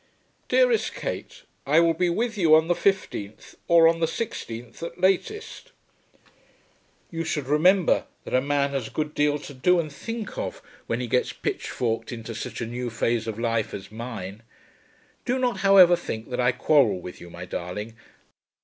DEAREST KATE, I will be with you on the 15th or on the 16th at latest. You should remember that a man has a good deal to do and think of when he gets pitchforked into such a new phase of life as mine. Do not, however, think that I quarrel with you, my darling.